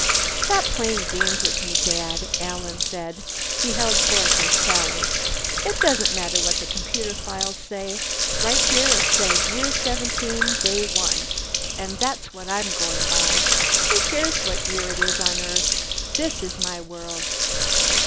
"Stop playing games with me, Dad." Alan held forth his Tally. "It doesn't matter what the computer files say. Right here it says Year 17 Day 1, and that's what I'm going by. Who cares what year it is on Earth? This is my world!"